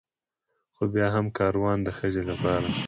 خو بيا هم کاروان د ښځې لپاره